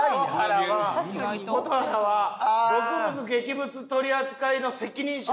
蛍原さんは毒物劇物取扱の責任者。